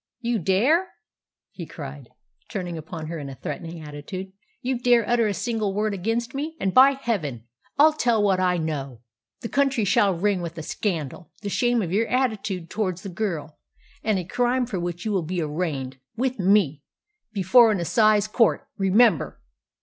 "You dare!" he cried, turning upon her in threatening attitude. "You dare utter a single word against me, and, by Heaven! I'll tell what I know. The country shall ring with a scandal the shame of your attitude towards the girl, and a crime for which you will be arraigned, with me, before an assize court. Remember!"